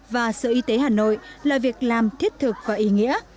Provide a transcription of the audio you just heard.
và sở y tế hà nội là việc làm thiết thực và ý nghĩa